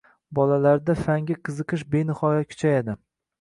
bolalarda fanga qiziqish benihoya kuchayadi;